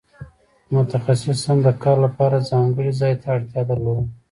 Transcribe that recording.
متخصص هم د کار لپاره ځانګړي ځای ته اړتیا درلوده.